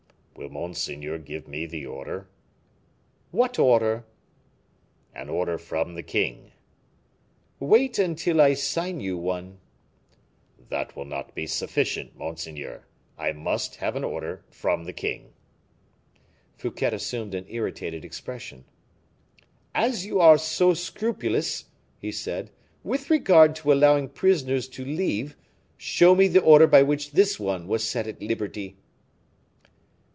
"Will monseigneur give me the order?" "What order?" "An order from the king." "Wait until I sign you one." "That will not be sufficient, monseigneur. I must have an order from the king." Fouquet assumed an irritated expression. "As you are so scrupulous," he said, "with regard to allowing prisoners to leave, show me the order by which this one was set at liberty."